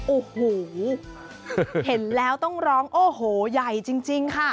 โอ้โหเห็นแล้วต้องร้องโอ้โหใหญ่จริงค่ะ